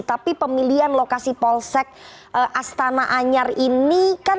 tapi pemilihan lokasi polsek astana anyar ini kan